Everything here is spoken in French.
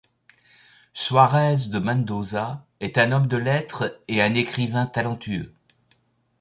Suárez de Mendoza est un homme de lettres et un écrivain talentueux.